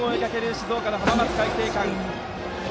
静岡の浜松開誠館。